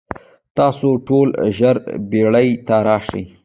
تاسو ټول ژر بیړۍ ته راشئ.